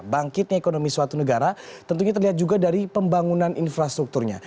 bangkitnya ekonomi suatu negara tentunya terlihat juga dari pembangunan infrastrukturnya